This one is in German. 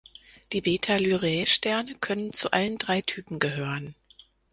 Die Beta-Lyrae-Sterne können zu allen drei Typen gehören.